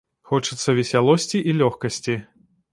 Хочацца весялосці і лёгкасці.